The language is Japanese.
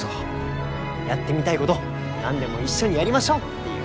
やってみたいごど何でも一緒にやりましょうっていう。